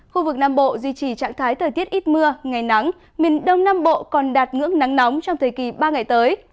khu vực nam bộ duy trì trạng thái thời tiết ít mưa ngày nắng miền đông nam bộ còn đạt ngưỡng nắng nóng trong thời kỳ ba ngày tới